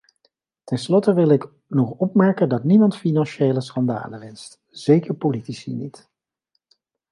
Ten slotte wil ik nog opmerken dat niemand financiële schandalen wenst, zeker politici niet.